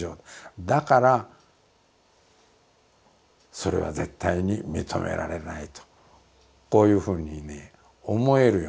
だからそれは絶対に認められないとこういうふうにね思えるようになるんですよ。